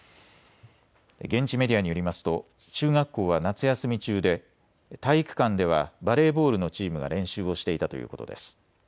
現地メディアによりますと中学校は夏休み中で体育館ではバレーボールのチームが練習をしていたということです。